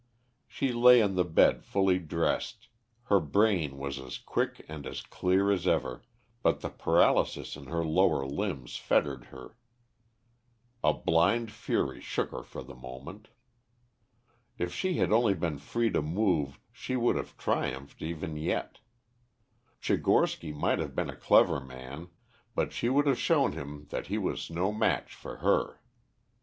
She lay on the bed fully dressed, her brain was as quick and as clear as ever, but the paralysis in the lower limbs fettered her. A blind fury shook her for the moment. If she had only been free to move she would have triumphed even yet. Tchigorsky might have been a clever man, but she would have shown him that he was no match for her.